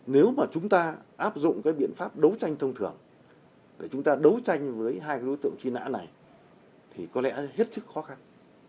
nếu mà chúng ta áp dụng cái biện pháp đấu tranh thông thường để chúng ta đấu tranh với hai đối tượng truy nã này thì có lẽ hết sức khó khăn